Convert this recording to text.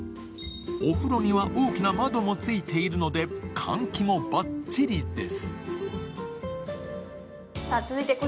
お風呂には大きな窓もついているので換気もバッチリです。